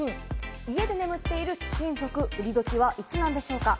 家で眠っている貴金属、売り時はいつなんでしょうか？